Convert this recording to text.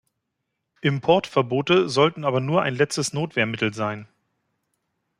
Importverbote sollten aber nur ein letztes Notwehrmittel sein.